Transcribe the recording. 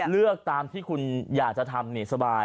เลือกตามที่คุณอยากจะทำ